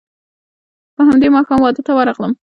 په همدې ماښام واده ته ورغلم.